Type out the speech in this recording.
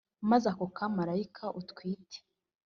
Maze ako kamarayika utwite